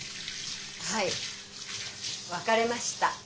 はい別れました。